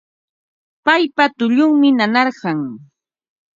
Paypa tullunmi nanarqan